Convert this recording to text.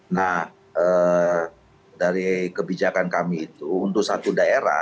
nah dari kebijakan kami itu untuk satu daerah